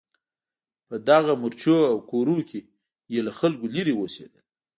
په دغو مورچو او کورونو کې یې له خلکو لرې اوسېدل.